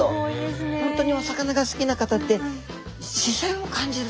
本当にお魚が好きな方って視線を感じるそうなんです。